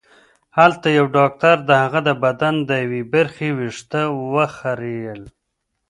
هلته یو ډاکټر د هغه د بدن د یوې برخې وېښته وخریل